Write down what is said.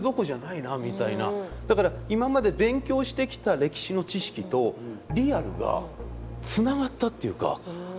だから今まで勉強してきた歴史の知識とリアルがつながったっていうか。